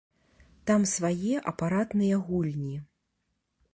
Там свае апаратныя гульні.